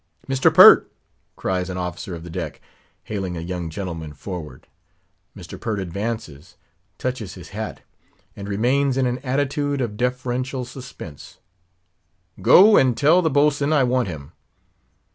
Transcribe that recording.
"Mr. Pert," cries an officer of the deck, hailing a young gentleman forward. Mr. Pert advances, touches his hat, and remains in an attitude of deferential suspense. "Go and tell the boatswain I want him."